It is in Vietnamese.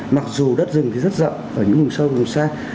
mặc dù đất rừng thì rất rộng ở những vùng sâu vùng xa